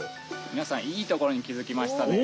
みなさんいいところにきづきましたね。